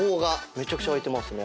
めちゃくちゃ空いてますね。